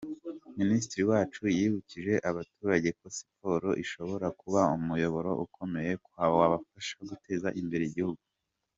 Minisitiri Uwacu yibukije abaturage ko siporo ishobora kuba umuyoboro ukomeye wabafasha guteza imbere igihugu.